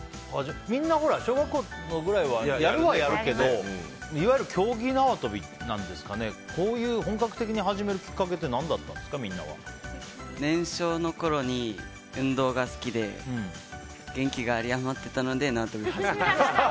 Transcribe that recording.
みんな小学校くらいはやるはやるけどいわゆる競技縄跳びなんですかねこういう本格的に始めるきっかけって年少のころに運動が好きで元気があり余ってたので縄跳び始めました。